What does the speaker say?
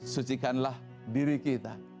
sucikanlah diri kita